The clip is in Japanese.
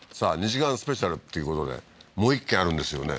２時間スペシャルっていうことでもう１軒あるんですよね